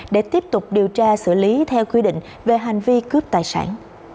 để tiếp tục điều tra xử lý theo quy định về hành vi cướp tài sản